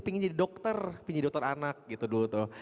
jadi pengen jadi dokter pengen jadi dokter anak gitu dulu tuh